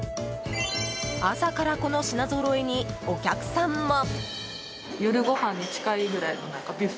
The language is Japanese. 朝からこの品ぞろえにお客さんも。